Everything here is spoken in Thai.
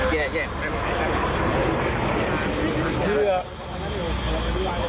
แย่แย่